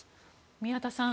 宮田さん